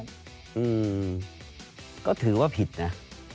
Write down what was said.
อืมก็ถือว่าผิดนะ